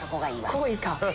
ここいいっすか？